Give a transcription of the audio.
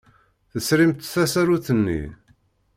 Tesrimt tasarut-nni?